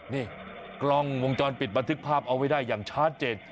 นี่กล้องวงจรปิดบันทึกภาพเอาไว้ได้อย่างชัดเจน